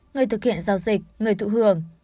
người thực hiện giao dịch người thụ hưởng